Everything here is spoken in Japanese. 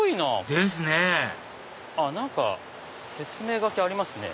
ですねぇ何か説明書きありますね。